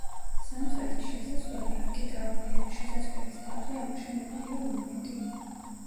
სამხრეთის შესასვლელი არქიტრავულია, შესასვლელის თავზე ამოშენებულია ლუნეტი.